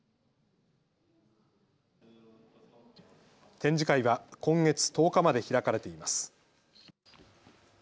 展示会は今月１０日まで開かれています。